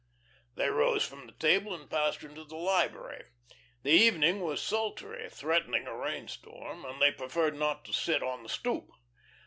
'" They rose from the table and passed into the library. The evening was sultry, threatening a rain storm, and they preferred not to sit on the "stoop."